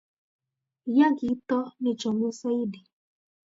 Yay kito nechome Saidi